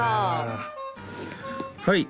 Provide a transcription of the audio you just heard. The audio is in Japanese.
はい。